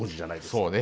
そうね。